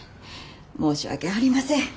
申し訳ありません。